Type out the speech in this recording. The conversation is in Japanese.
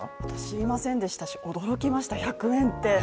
私、知りませんでしたし、驚きました、１００円て。